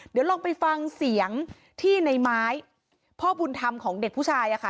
เดี๋ยวลองไปฟังเสียงที่ในไม้พ่อบุญธรรมของเด็กผู้ชายอะค่ะ